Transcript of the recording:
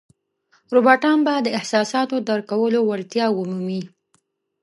روباټان به د احساساتو درک کولو وړتیا ومومي.